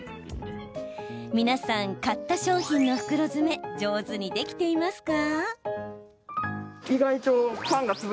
皆さん、買った商品の袋詰め上手にできていますか？